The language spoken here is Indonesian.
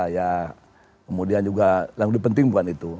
ya kemudian juga yang lebih penting bukan itu